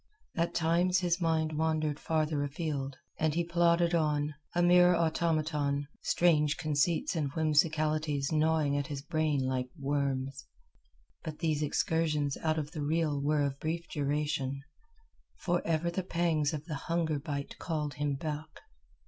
At times his mind wandered farther afield, and he plodded on, a mere automaton, strange conceits and whimsicalities gnawing at his brain like worms. But these excursions out of the real were of brief duration, for ever the pangs of the hunger bite called him back.